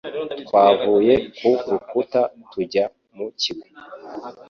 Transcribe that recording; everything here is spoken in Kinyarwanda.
twavuye ku rukuta tujya mu kigo